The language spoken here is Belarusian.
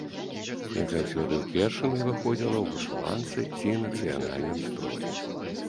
Як заўсёды, у першым я выходзіла ў вышыванцы ці нацыянальным строі.